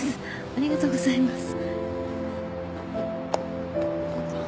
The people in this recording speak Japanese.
ありがとうございます。